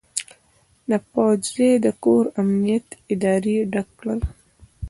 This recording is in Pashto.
د پوځ ځای د کور امنیت ادارې ډک کړ.